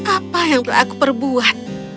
apa yang telah aku perbuat